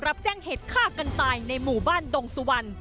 รับแจ้งเหตุฆ่ากันตายในหมู่บ้านดงสุวรรณ